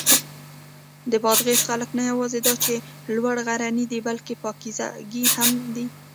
د بادغیس خلک نه یواځې دا چې لوړ غرني دي، بلکې پاکیزګي هم دي.